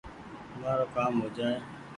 مآرو ڪآم هو جآئي